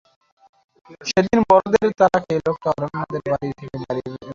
সেদিন বড়দের তাড়া খেয়ে লোকটা অরণ্যদের বাড়ি থেকে বেরিয়ে রাস্তা ধরে।